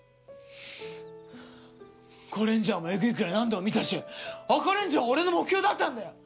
『ゴレンジャー』もエグいくらい何度も見たしアカレンジャーは俺の目標だったんだよ！